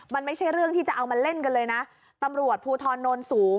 มันไม่ใช่เรื่องที่จะเอามาเล่นกันเลยนะตำรวจภูทรโนนสูง